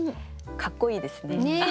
かっこいいですね。ね！